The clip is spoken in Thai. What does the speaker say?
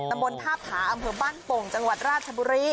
ตำบลท่าผาอำเภอบ้านโป่งจังหวัดราชบุรี